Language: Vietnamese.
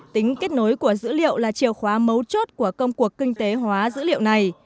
tính kết nối của dữ liệu là chiều khóa mấu chốt của công cuộc kinh tế hóa dữ liệu này